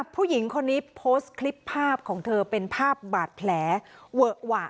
ผู้หญิงคนนี้โพสต์คลิปภาพของเธอเป็นภาพบาดแผลเวอะหวะ